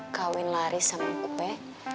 kawin lari sama kupet